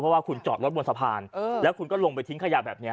เพราะว่าคุณจอดรถบนสะพานแล้วคุณก็ลงไปทิ้งขยะแบบนี้